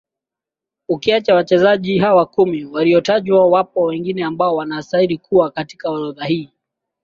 Ukiacha wachezaji hawa kumi waliotajwa wapo wengine ambao wanastahili kuwa katika orodha hii